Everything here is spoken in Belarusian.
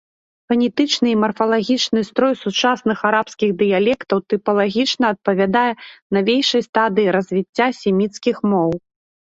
Фанетычны і марфалагічны строй сучасных арабскіх дыялектаў тыпалагічна адпавядае навейшай стадыі развіцця семіцкіх моў.